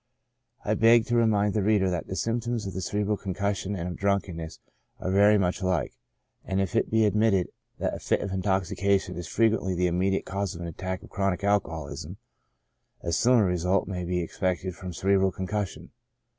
I beg to remind the reader that the Symptoms of cerebral concussion and of drunkenness are very much alike; and if it be admitted that a fit of intoxication is frequently the immediate cause of an attack of chronic alcoholism, a similar result may be expected from cerebral concussion.